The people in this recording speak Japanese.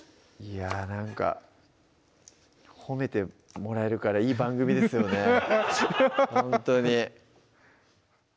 いやなんか褒めてもらえるからいい番組ですよね